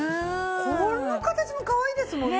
この形もかわいいですもんね。